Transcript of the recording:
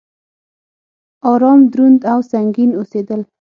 ارام، دروند او سنګين اوسيدل